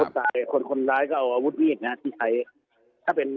คนตายคนร้ายก็เอาอาวุธมีดนะครับที่ไทย